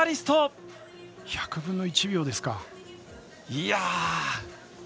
１００分の１秒ですか。